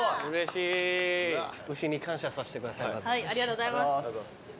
ありがとうございます。